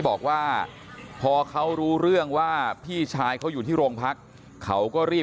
บอกว่าพอเขารู้เรื่องว่าพี่ชายเขาอยู่ที่โรงพักเขาก็รีบ